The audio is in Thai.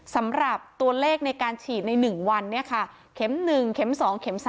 สำหรับตัวเลขในการฉีดใน๑วันเข็ม๑เข็ม๒เข็ม๓